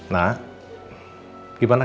nah gimana kak